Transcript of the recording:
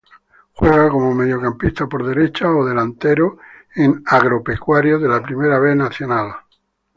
Juega como mediocampista por derecha o delantero en Agropecuario de la Primera B Nacional.